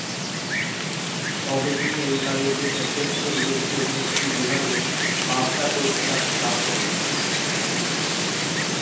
তবে তিনি এই কাজের জন্য শ্রেষ্ঠ বিদেশি অভিনেত্রী বিভাগে বাফটা পুরস্কার লাভ করেন।